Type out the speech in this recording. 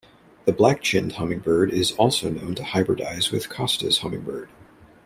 The black-chinned hummingbird is also known to hybridize with Costa's hummingbird.